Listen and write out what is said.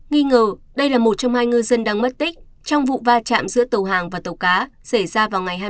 nghi ngờ đây là một trong hai ngư dân đang mất tích trong vụ va chạm giữa tàu hàng và tàu cá xảy ra vào ngày hai mươi